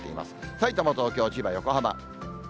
さいたま、東京、千葉、横浜。